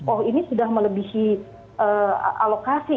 oh ini sudah melebihi alokasi